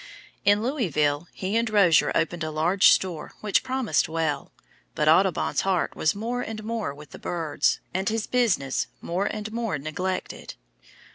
In Louisville, he and Rozier opened a large store which promised well. But Audubon's heart was more and more with the birds, and his business more and more neglected.